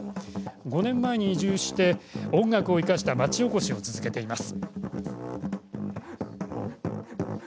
５年前に移住して音楽を生かした町おこしを続けています。